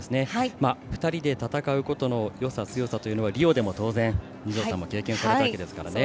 ２人で戦うことのよさ強さというのはリオでも当然、二條さんも経験されたわけですからね。